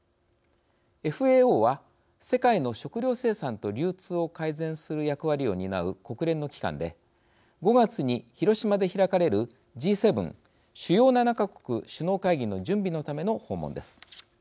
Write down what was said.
ＦＡＯは、世界の食料生産と流通を改善する役割を担う国連の機関で５月に広島で開かれるＧ７＝主要７か国首脳会議の準備のための訪問です。